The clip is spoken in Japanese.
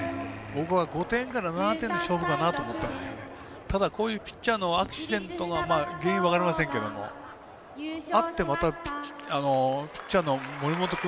僕は５点から７点の勝負かなと思ったんですがただ、こういうピッチャーのアクシデントが原因は分かりませんけどもそれがあってもピッチャーの森本君